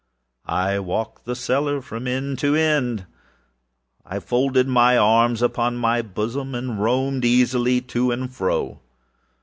I walked the cellar from end to end. I folded my arms upon my bosom, and roamed easily to and fro.